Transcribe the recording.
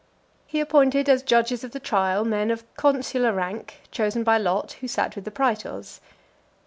He appointed as judges of the trial men of consular rank, chosen by lot, who sat with the praetors.